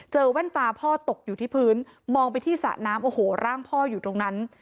แว่นตาพ่อตกอยู่ที่พื้นมองไปที่สระน้ำโอ้โหร่างพ่ออยู่ตรงนั้น